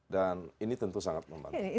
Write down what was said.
dan ini tentu sangat membantu